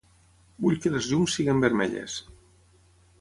Vull que les llums siguin vermelles.